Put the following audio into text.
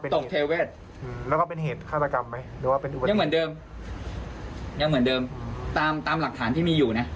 ตกเทวเวชยังเหมือนเดิมตามหลักฐานที่มีอยู่นะ